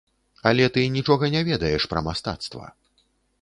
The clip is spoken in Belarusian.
Але ты нічога не ведаеш пра мастацтва.